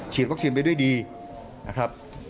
วัคซีนไปด้วยดีนะครับ